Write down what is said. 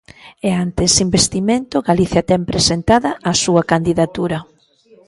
E ante ese investimento Galicia ten presentada a súa candidatura.